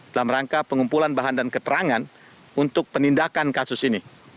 dalam rangka pengumpulan bahan dan keterangan untuk penindakan kasus ini